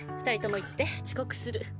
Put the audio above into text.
２人とも行って遅刻する。